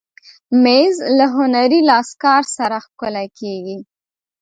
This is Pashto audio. مېز له هنري لاسکار سره ښکلی کېږي.